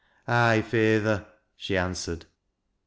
"Ay, feyther," she answered.